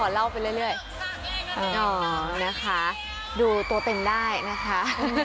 เล่าไปเรื่อยนะคะดูตัวเป็นได้นะคะ